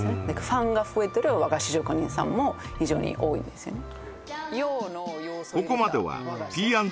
ファンが増えてる和菓子職人さんも非常に多いんですよね